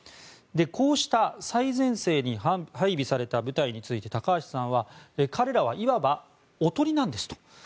こうした最前線に配備された部隊について高橋さんは、彼らはいわばおとりなんですと。